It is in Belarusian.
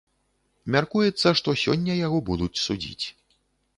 Мяркуецца, што сёння яго будуць судзіць.